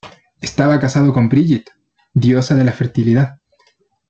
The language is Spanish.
Estaba casado con Brigid, diosa de la fertilidad.